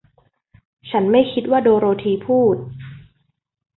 ฉันไม่คิดว่า โดโรธีพูด